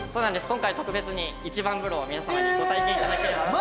今回は特別に一番風呂を皆さまにご体験いただければなと。